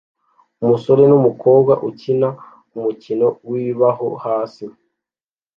Umusore numukobwa ukina umukino wibibaho hasi